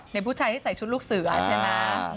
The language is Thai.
ผู้ชายที่ใส่ชุดลูกเสือใช่ไหม